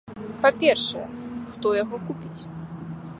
Па-першае, хто яго купіць?